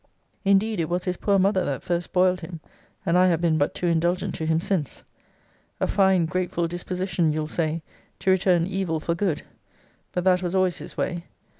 Indeed, it was his poor mother that first spoiled him; and I have been but too indulgent to him since. A fine grateful disposition, you'll say, to return evil for good! but that was always his way.